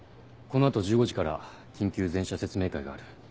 この後１５時から緊急全社説明会がある。